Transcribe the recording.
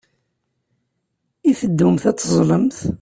I teddumt ad teẓẓlemt?